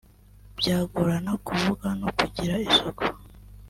Byagorana kuvuga no kugira isuku